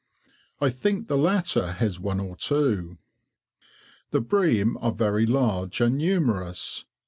I think the latter has one or two. The bream are very large and numerous.